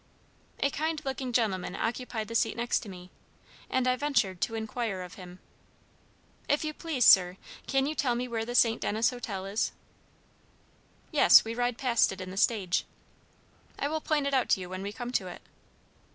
A kind looking gentleman occupied the seat next to me, and I ventured to inquire of him: "If you please, sir, can you tell me where the St. Denis Hotel is?" "Yes; we ride past it in the stage. I will point it out to you when we come to it."